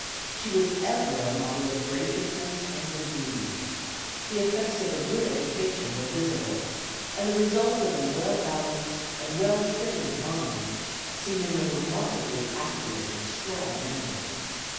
She was ever a model of graciousness and good breeding. The effects of a good education were visible, and the results of a well balanced and well trained mind seen in a remarkably accurate and strong memory.